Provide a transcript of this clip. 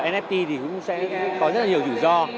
nft thì cũng sẽ có rất nhiều rủi ro